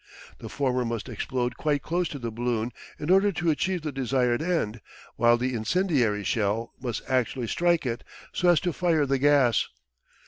The former must explode quite close to the balloon in order to achieve the desired end, while the incendiary shell must actually strike it, so as to fire the gas.